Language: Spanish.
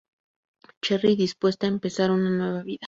Cherry dispuesta a empezar una 'nueva vida'.